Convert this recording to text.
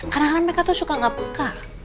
kadang kadang mereka tuh suka gak peka